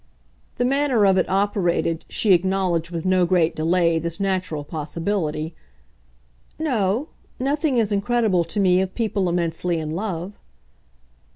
The manner of it operated she acknowledged with no great delay this natural possibility. "No nothing is incredible to me of people immensely in love."